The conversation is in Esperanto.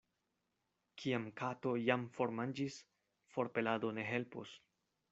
Kiam kato jam formanĝis, forpelado ne helpos.